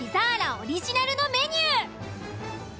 オリジナルのメニュ―。